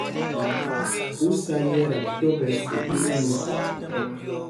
Ú sá yɛ̄ ta tɔ̄ ɓɛ̌ sukûl mus ?